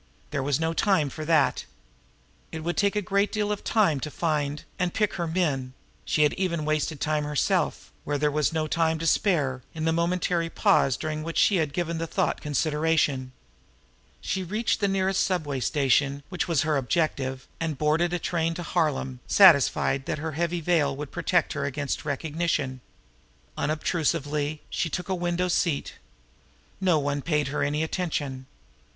There was no time for that. It would take a great deal of time to find and pick her men; she had even wasted time herself, where there was no time to spare, in the momentary pause during which she had given the thought consideration. She reached the nearest subway station, which was her objective, and boarded a Harlem train, satisfied that her heavy veil would protect her against recognition. Unobtrusively she took a window seat. No one paid her any attention.